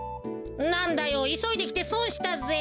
なんだよいそいできてそんしたぜ。